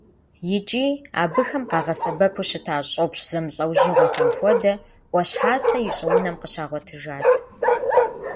ИкӀи абыхэм къагъэсэбэпу щыта щӀопщ зэмылӀэужьыгъуэхэм хуэдэ Ӏуащхьацэ и щӀыунэм къыщагъуэтыжат.